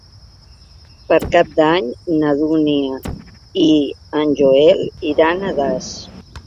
Per Cap d'Any na Dúnia i en Joel iran a Das.